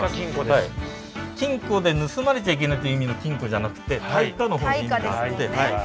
金庫で盗まれちゃいけないっていう意味の金庫じゃなくて耐火の方に意味があって。